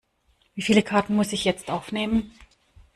Wie viele Karten muss ich jetzt aufnehmen?